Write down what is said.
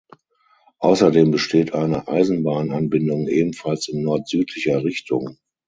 Außerdem besteht eine Eisenbahnanbindung ebenfalls in nordsüdlicher Richtung.